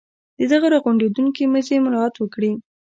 د دغه را غونډوونکي مزي مراعات وکړي.